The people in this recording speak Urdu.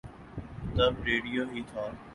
تب ریڈیو ہی تھا۔